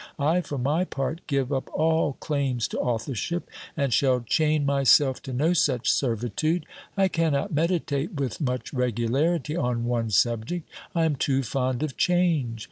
I for my part give up all claims to authorship, and shall chain myself to no such servitude. I cannot meditate with much regularity on one subject; I am too fond of change.